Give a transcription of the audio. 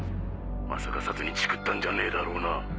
まさか警察にチクったんじゃねぇだろうな？